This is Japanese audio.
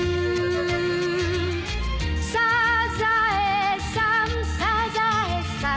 「サザエさんサザエさん」